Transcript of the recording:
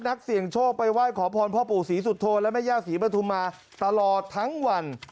นักเสี่ยงโชคไปไหว้ขอพรพ่อปู่ศรีสุโธนและแม่ย่าศรีปฐุมาตลอดทั้งวัน